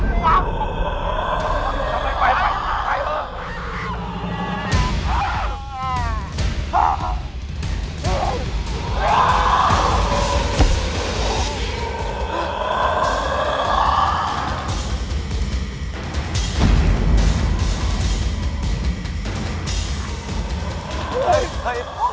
อีกยังใช่ใช่